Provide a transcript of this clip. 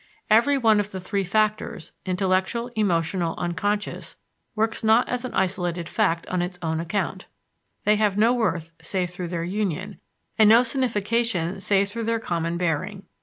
Every one of the three factors intellectual, emotional, unconscious works not as an isolated fact on its own account; they have no worth save through their union, and no signification save through their common bearing.